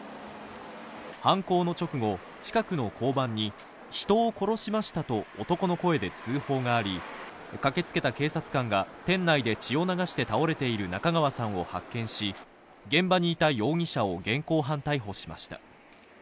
犯行の直後、近くの交番に人を殺しましたと男の声で通報があり、駆けつけた警察官が店内で血を流して倒れている中川さんを発見し現場にいた容疑者を現行犯逮捕しました。